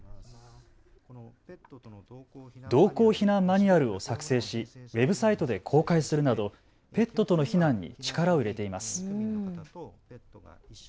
同行避難マニュアルを作成しウェブサイトで公開するなどペットとの避難に力を入れています。